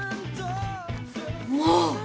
もう！